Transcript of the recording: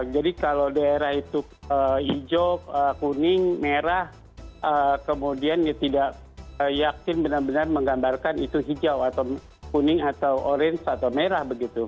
jadi kalau daerah itu hijau kuning merah kemudian tidak yakin benar benar menggambarkan itu hijau kuning orange atau merah